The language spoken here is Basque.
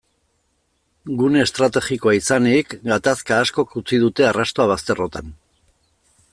Gune estrategikoa izanik, gatazka askok utzi dute arrastoa bazterrotan.